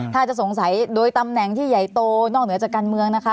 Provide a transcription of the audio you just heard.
ถ้าจะสงสัยโดยตำแหน่งที่ใหญ่โตนอกเหนือจากการเมืองนะคะ